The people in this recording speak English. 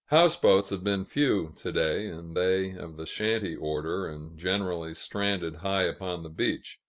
Houseboats have been few, to day, and they of the shanty order and generally stranded high upon the beach.